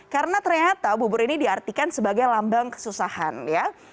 karena ternyata bubur ini diartikan sebagai lambang kesusahan ya